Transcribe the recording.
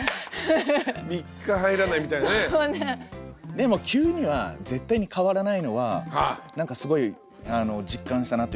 でも急には絶対に変わらないのはすごい実感したなというか。